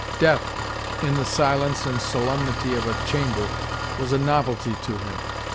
Death, in the silence and solemnity of a chamber, was a novelty to him.